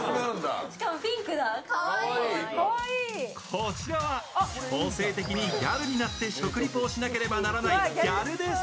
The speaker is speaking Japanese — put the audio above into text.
こちらは強制的にギャルになって食リポをしなければならないギャルです